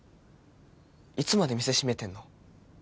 いつまで店閉めてんの？